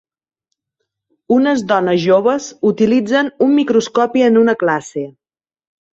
Unes dones joves utilitzen un microscopi en una classe.